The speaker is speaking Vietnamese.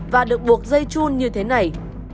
và được buộc dây chun như thế này